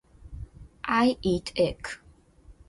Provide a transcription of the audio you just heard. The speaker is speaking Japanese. I eat eggs.